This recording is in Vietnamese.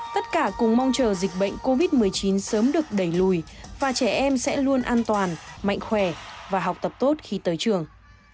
tất cả cùng mong chờ dịch bệnh covid một mươi chín sớm được đẩy lùi và trẻ em sẽ luôn an toàn mạnh khỏe và học tập tốt khi tới trường